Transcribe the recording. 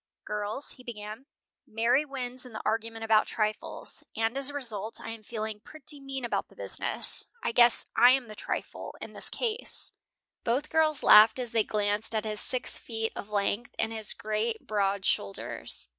"Girls," he began, "Mary wins in the argument about trifles, and as a result I am feeling pretty mean about the business. I guess I am the trifle in the case." Both girls laughed as they glanced at his six feet of length, and his great, broad shoulders.